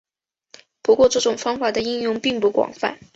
不过这种方法的应用并不广泛。